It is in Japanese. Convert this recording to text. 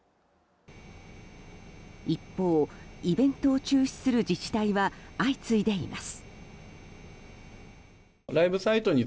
一方、イベントを中止する自治体は相次いでいます。